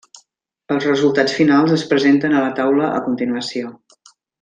Els resultats finals es presenten a la taula a continuació.